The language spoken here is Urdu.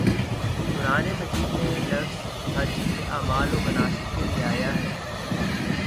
قرآنِ مجید میں یہ لفظ حج کے اعمال و مناسک کے لیے آیا ہے